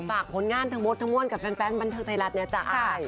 ฝากผลงานทั้งมดทั้งม่วนกับแฟนบันเทิงไทยรัฐเนี่ยจ้ะ